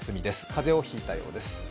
風邪を引いたようです。